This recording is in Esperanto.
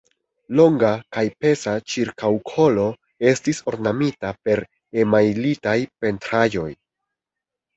Longa kaj peza ĉirkaŭkolo estis ornamita per emajlitaj pentraĵoj.